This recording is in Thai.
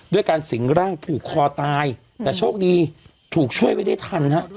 ด้วยการสิงร่างผูกคอตายแต่โชคดีถูกช่วยไว้ได้ทันฮะ